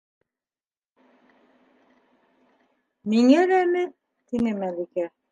«Миңә ләме?!» - тине Мәликә.